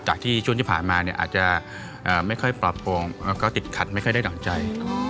จากที่ช่วงที่ผ่านมาเนี่ยอาจจะไม่ค่อยปลอบโปร่งแล้วก็ติดขัดไม่ค่อยได้ดั่งใจ